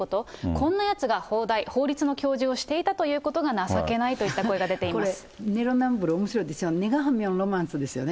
こんなやつが法大、法律の教授をしていたということが情けないといった声が出ていまこれ、ネロナムブル、おもしろいですよ、がロマンスですよね。